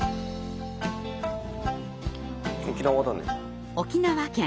沖縄だね。